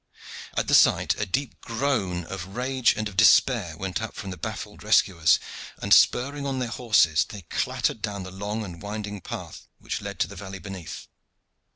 At the sight a deep groan of rage and of despair went up from the baffled rescuers, and, spurring on their horses, they clattered down the long and winding path which led to the valley beneath.